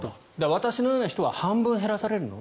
私のような人は半分減らされるの？